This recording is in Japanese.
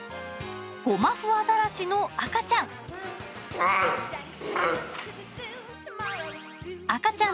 ゴマフアザラシの赤ちゃん。